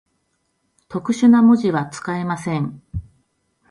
特殊な文字は、使えません。